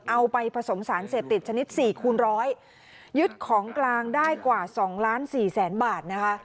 เอาไปผสมสารเสพติดชนิด๔คูณร้อยยึดของกลางได้กว่า๒๔๐๐๐๐๐บาทนะคะ